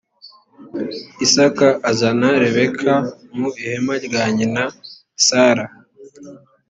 isaka azana rebeka mu ihema rya nyina sara